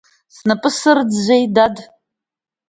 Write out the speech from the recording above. Снапы сырӡәӡәеи, дад.